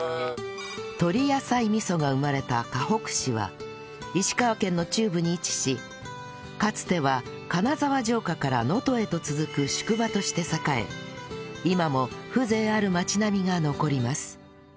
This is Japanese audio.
とり野菜みそが生まれたかほく市は石川県の中部に位置しかつては金沢城下から能登へと続く宿場として栄え今も風情ある町並みが残ります